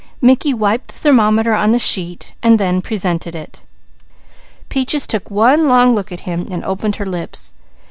Mickey wiped the thermometer on the sheet, then presented it. Peaches took one long look at him and opened her lips.